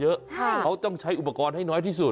เขาต้องใช้อุปกรณ์ให้น้อยที่สุด